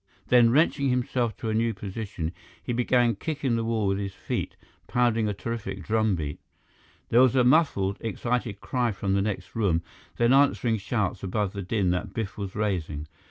Then, wrenching himself to a new position, he began kicking the wall with his feet, pounding a terrific drum beat. There was a muffled, excited cry from the next room, then answering shouts above the din that Biff was raising.